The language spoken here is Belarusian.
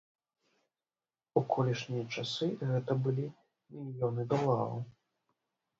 У колішнія часы гэта былі мільёны долараў.